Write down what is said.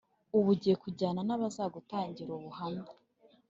ubu ugiye kujyana naba zagutangira ubuhamya